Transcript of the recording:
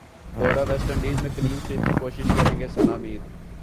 دورہ West Indies میں clean sweep کی کوشش کرینگے ثناء میر